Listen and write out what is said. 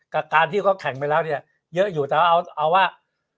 กับการที่เขาแข่งไปแล้วเนี่ยเยอะอยู่แต่ว่าเอาว่า